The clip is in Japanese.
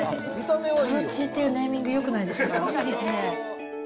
とろチーっていうネーミング、よくないですか？